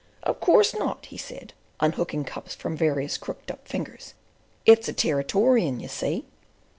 "Of course not!" he said, unhooking cups from various crooked up fingers. "It's a Territorian, you see."